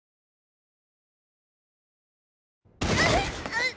うっ！